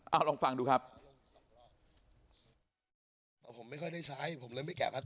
เอาลองฟังดูครับ